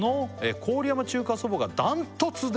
「郡山中華そばがダントツで」